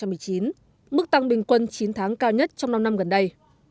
mức tăng bình quân chín tháng cao nhất trong năm năm gần đây